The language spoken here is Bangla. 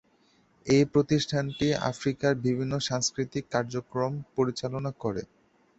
এই প্রতিষ্ঠানটি আফ্রিকার বিভিন্ন সাংস্কৃতিক কার্যক্রম পরিচালনা করে।